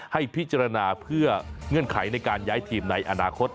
ให้พิจารณาเพื่อเงื่อนไขในการย้ายทีมในอนาคต